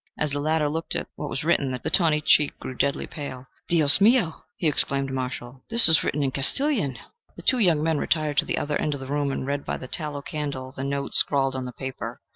As the latter looked at what was written, his tawny cheek grew deadly pale. "Dios mio!" he exclaimed to Marshall. "This is written in Castilian!" The two young men retired to the other end of the room and read by the tallow candle the notes scrawled on the paper.